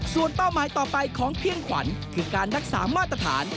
ส่วนเป้าหมายต่อไปของเพียงขวัญคือการรักษามาตรฐาน